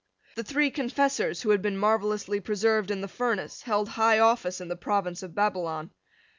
The three confessors, who had been marvellously preserved in the furnace, held high office in the province of Babylon.